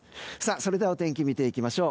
それではお天気、見ていきましょう。